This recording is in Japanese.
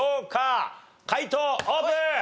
解答オープン！